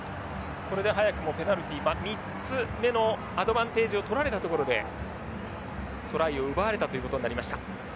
これで早くもペナルティ３つ目のアドバンテージを取られたところでトライを奪われたということになりました。